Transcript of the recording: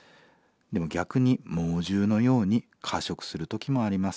でも逆に猛獣のように過食する時もあります。